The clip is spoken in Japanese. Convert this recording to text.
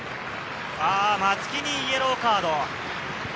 松木にイエローカード。